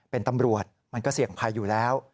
เป็นตำรวจมันก็เสี่ยงภัยอยู่แล้ว